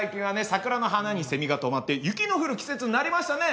桜の花にセミが止まって雪の降る季節になりましたね。